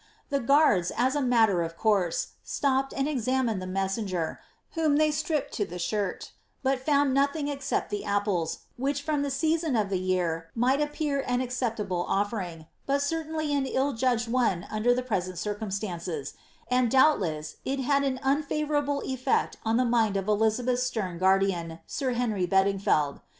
The guards, as a matter of course, •topped and examined the messenger, whom they stripped to the shirt,' but found nothing except the apples, which from the season of the year might appear an acceptable offering, but certainly an ill judged one un der the present circumstances; and doubtless it had an unfavourable eiifct on the mind oi Elizabeth's stern guardian, sir Henry Bedingfeld.